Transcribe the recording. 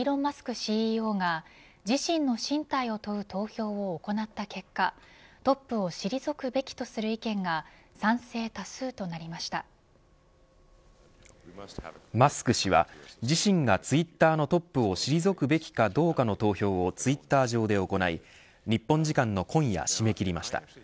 ＣＥＯが自身の進退を問う投票を行った結果トップを退くべきとする意見がマスク氏は自身がツイッターのトップを退くべきかどうかの投票をツイッター上で行い日本時間の今夜締め切りました。